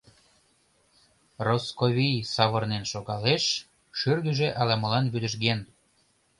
— Росковий савырнен шогалеш, шӱргыжӧ ала-молан вӱдыжген.